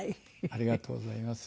ありがとうございます。